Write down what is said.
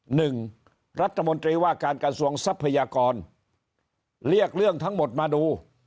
หนึ่งรัฐมนตรีว่าการกระทรวงทรัพยากรเรียกเรื่องทั้งหมดมาดู